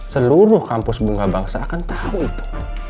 seluruh kampus bunga bangsa akan tahu itu